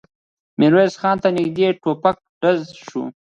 ميرويس خان ته نږدې د ټوپک ډز شو.